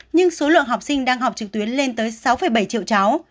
nhưng số lượng học sinh đang học trực tuyến lên tới sáu bảy triệu cháu